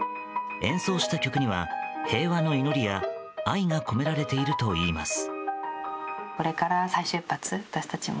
演奏した曲には、平和の祈りや愛が込められているといいます。